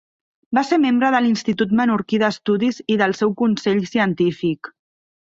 Va ser membre de l'Institut Menorquí d'Estudis i del seu Consell Científic.